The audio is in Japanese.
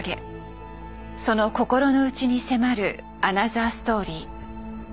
その心の内に迫るアナザーストーリー。